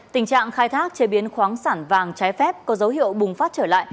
tình trạng khai thác chế biến khoáng sản vàng trái phép có dấu hiệu bùng phát trở lại